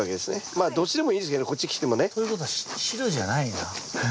まあどっちでもいいですけどこっち切ってもね。ということは白じゃないな。